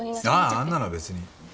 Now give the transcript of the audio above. あああんなのは別に。